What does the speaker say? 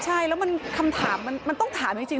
ใช่แล้วมันคำถามมันต้องถามจริง